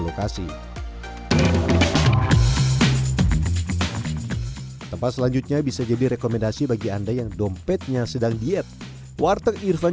lokasi tempat selanjutnya bisa jadi rekomendasi bagi anda yang dompetnya sedang diet warteg irfan